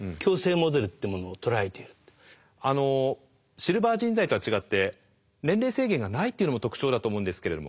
シルバー人材とは違って年齢制限がないっていうのも特徴だと思うんですけれども。